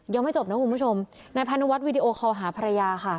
ยังไม่จบนะคุณผู้ชมนายพานุวัฒนวีดีโอคอลหาภรรยาค่ะ